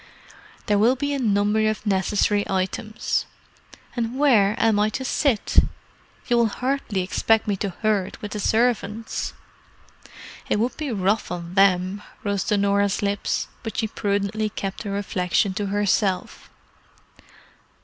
"There will be a number of necessary items. And where am I to sit? You will hardly expect me to herd with the servants." "It would be rough on them!" rose to Norah's lips. But she prudently kept the reflection to herself.